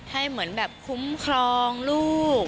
ให้เหมือนแบบคุ้มครองลูก